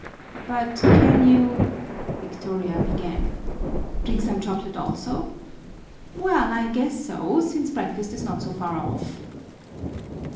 "But, can you " Victoria began. "Drink some chocolate also? Well, I guess so, since breakfast is not so far off."